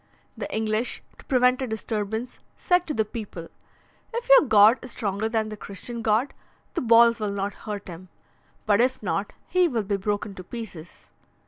The English, to prevent a disturbance, said to the people: "If your god is stronger than the Christian God, the balls will not hurt him; but if not, he will be broken to pieces."